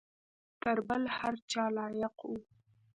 تر بل هر چا لایق وو.